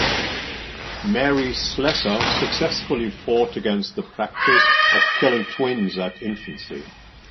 Mary Slessor successfully fought against the practice of killing twins at infancy.